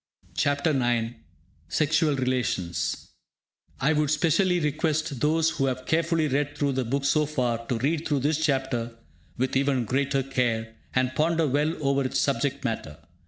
CHAPTER IX SEXUAL RELATIONS I would specially request those who have carefully read through the book so far to read through this chapter with even greater care, and ponder well over its subject matter.